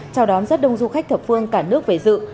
chào đón rất đông du khách thập phương cả nước về dự